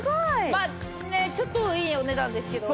まあねちょっといいお値段ですけど。